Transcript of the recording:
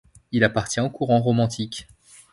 Il appartient au courant romantique.